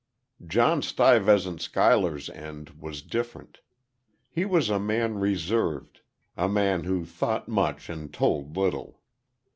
John Stuyvesant Schuyler's end was different. He was a man reserved a man who thought much and told little.